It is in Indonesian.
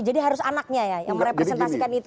jadi harus anaknya ya yang merepresentasikan itu